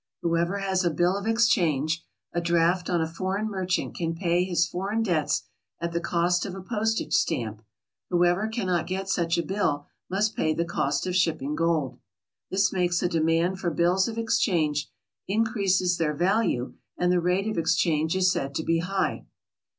Whoever has a bill of ex change, a draft on a foreign merchant, can pay his foreign debts at the cost of a postage stamp; whoever cannot get such a bill must pay the cost of shipping gold. This makes a demand for bills of exchange, increases their value, and the rate of exchange is said to be high.